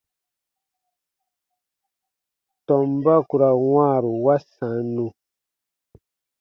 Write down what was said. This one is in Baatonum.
Tɔmba ku ra wãaru wa sannu.